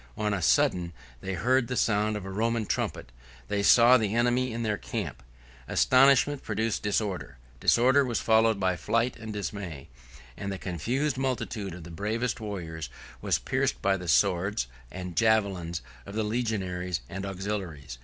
On a sudden they heard the sound of the Roman trumpet; they saw the enemy in their camp. Astonishment produced disorder; disorder was followed by flight and dismay; and the confused multitude of the bravest warriors was pierced by the swords and javelins of the legionaries and auxiliaries.